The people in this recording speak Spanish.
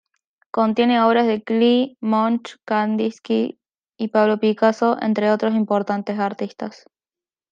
Contiene obras de Klee, Munch, Kandinsky y Pablo Picasso, entre otros importantes artistas.